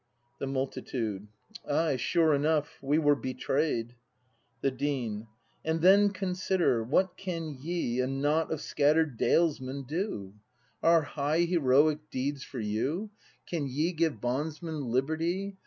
The Multitude. Ay, sure enough; we were betray 'd! The Dean. And then consider; what can ye, A knot of scatter'd dalesmen, do ? 274 BRAND [act v Are high heroic deeds for you ? Can ye give bondsmen liberty